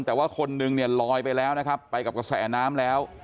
แต่ว่าคนนึงเนี่ยลอยไปแล้วนะครับไปกับกระแสน้ำแล้ว